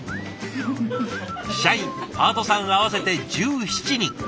社員パートさん合わせて１７人。